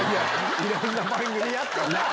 いろんな番組やってるな。